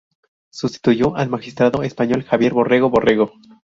Sustituyó al magistrado español Javier Borrego Borrego.